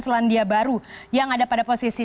selandia baru yang ada pada posisi